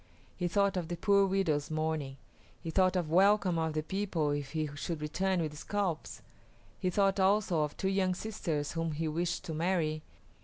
He thought of the poor widows mourning; he thought of welcome of the people if he should return with scalps; he thought also of two young sisters whom he wished to marry.